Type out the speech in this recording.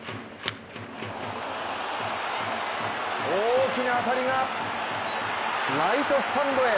大きな当たりがライトスタンドへ。